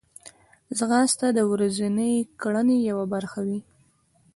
ځغاسته د ورځنۍ کړنې یوه برخه وي